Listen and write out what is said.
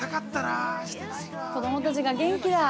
子供たちが元気だ。